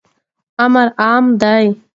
امر عام دی.